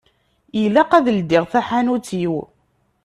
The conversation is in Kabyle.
Ilaq ad ldiɣ taḥanut-iw.